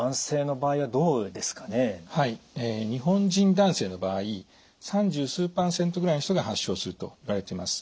日本人男性の場合三十数％ぐらいの人が発症するといわれています。